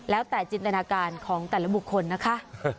แล้วแต่จินตนาการของแต่ละบุคคลนะคะ